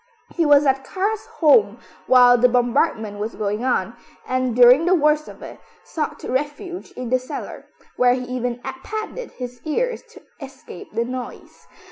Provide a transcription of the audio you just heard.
He was at Karl's home while the bombardment was going on, and, during the worst of it, sought refuge in the cellar, where he even padded his ears to escape the noise.